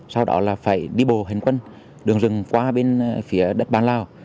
sau đó là phải đi bộ hình quân đường rừng qua bên phía đất bàn lào